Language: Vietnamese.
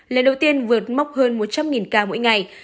lần đầu tiên vượt mốc hơn một trăm linh ca mỗi ngày